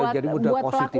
jadi mudah positif